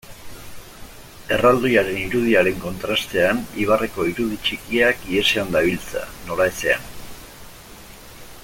Erraldoiaren irudiaren kontrastean, ibarreko irudi txikiak ihesean dabiltza, noraezean.